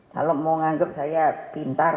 kalau mau nganggup saya pintar